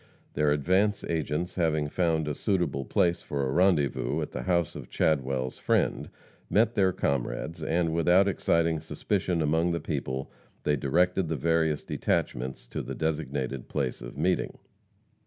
Their advance agents, having found a suitable place for a rendezvous at the house of Chadwell's friend, met their comrades, and, without exciting suspicion among the people, they directed the various detachments to the designated place of meeting.